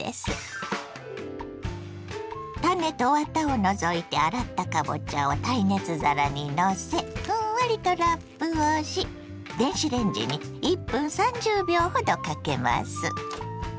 種とワタを除いて洗ったかぼちゃを耐熱皿にのせふんわりとラップをし電子レンジに１分３０秒ほどかけます。